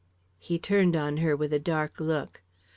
He turned on her with a dark look.